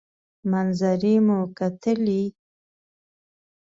منظرې مو کتلې.